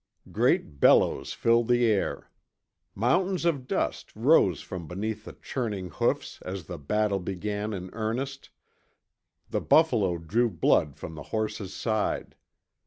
Great bellows filled the air. Mountains of dust rose from beneath the churning hoofs as the battle began in earnest. The buffalo drew blood from the horse's side.